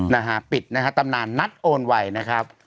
นะฮะปิดนะฮะตำนานนัดโอนไวนะครับ